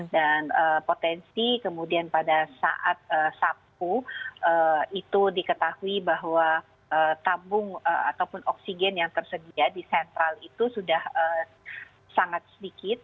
potensi kemudian pada saat sabtu itu diketahui bahwa tabung ataupun oksigen yang tersedia di sentral itu sudah sangat sedikit